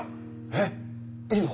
えっいいの？